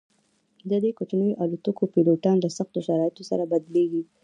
د دې کوچنیو الوتکو پیلوټان له سختو شرایطو سره بلدیږي